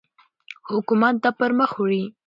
حکومت دا پرمخ وړي.